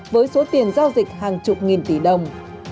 với số tiền giao dịch hàng chục nghìn tỷ đồng